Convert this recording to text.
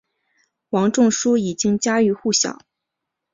王仲殊已经家喻户晓。